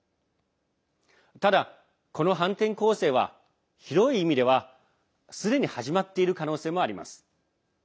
ただ、この反転攻勢は広い意味ではすでに始まっている可能性もあります。